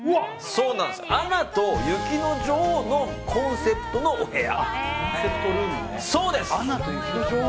「アナと雪の女王」のコンセプトのお部屋。